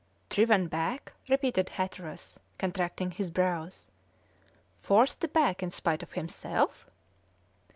"Driven back?" repeated Hatteras, contracting his brows; "forced back in spite of himself?"